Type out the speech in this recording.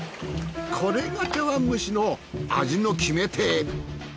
これが茶碗蒸しの味の決め手。